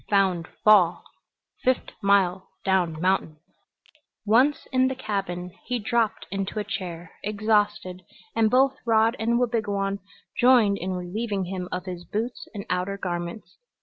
"Found fall. Fift' mile down mountain." Once in the cabin he dropped into a chair, exhausted, and both Rod and Wabigoon joined in relieving him of his boots and outer garments.